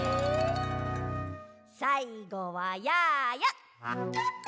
さいごはやーや。